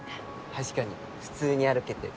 確かに普通に歩けてる。